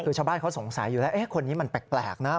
คือชาวบ้านเขาสงสัยอยู่แล้วคนนี้มันแปลกนะ